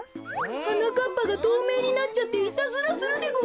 はなかっぱがとうめいになっちゃっていたずらするでごわすよ。